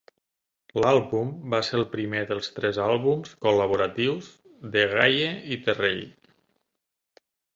L'àlbum va ser el primer dels tres àlbums col·laboratius de Gaye i Terrell.